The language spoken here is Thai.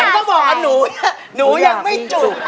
ก็บอกอันนี้หนูอยากไม่จุก